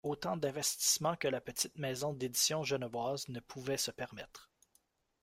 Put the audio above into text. Autant d’investissements que la petite maison d’édition genevoise ne pouvait se permettre.